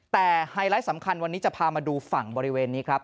แต่ไฮไลท์สำคัญวันนี้จะพามาดูฝั่งบริเวณนี้ครับ